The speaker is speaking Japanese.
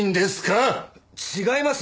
違います！